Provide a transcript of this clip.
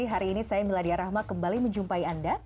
hari ini saya miladia rahma kembali menjumpai anda